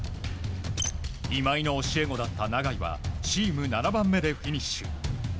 今井の教え子だった永井はチーム７番目でフィニッシュ。